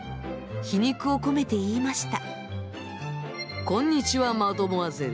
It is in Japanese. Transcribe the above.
皮肉を込めて言いました。